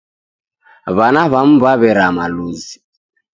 W'ana w'amu w'aw'erama luzi.